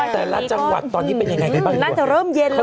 นะระดับจังหวัดตอนนี้เป็นยังไงอืมน่าจะเริ่มเย็นลมผี้